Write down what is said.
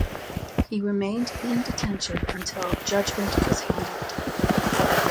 He remained in detention until the judgment was handed down.